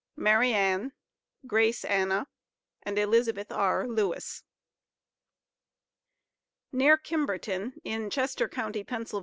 MARIANN, GRACE ANNA, AND ELIZABETH R. LEWIS. Near Kimberton, in Chester county, Pa.